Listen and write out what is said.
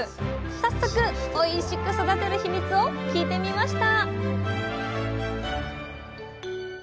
早速おいしく育てる秘密を聞いてみました